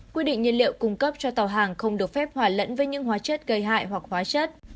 quy định nhiên liệu cung cấp cho tàu hàng không được phép hòa lẫn với những hóa chất gây hại hoặc hóa chất